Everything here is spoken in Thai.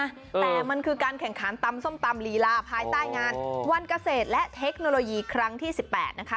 แต่มันคือการแข่งขันตำส้มตำลีลาภายใต้งานวันเกษตรและเทคโนโลยีครั้งที่สิบแปดนะคะ